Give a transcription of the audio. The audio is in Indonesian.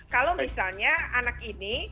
kalau misalnya anak ini